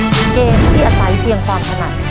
คือเกมที่อาศัยเพียงความถนัด